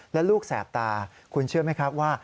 แล้วลูกแสบตาคุณเชื่อไหมครับว่า